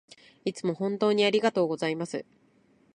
いつも本当にありがとうございます